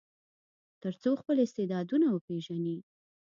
تر څو خپل استعدادونه وپیژني.